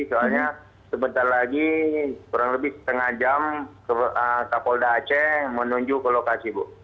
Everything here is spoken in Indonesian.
soalnya sebentar lagi kurang lebih setengah jam kapolda aceh menuju ke lokasi bu